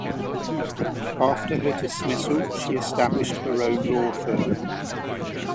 After her dismissal she established her own law firm.